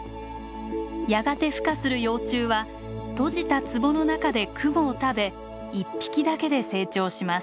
やがてふ化する幼虫は閉じたつぼの中でクモを食べ一匹だけで成長します。